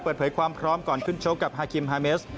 เปิดเผยความพร้อมก่อนขึ้นชกกับฮาคิมฮาเมส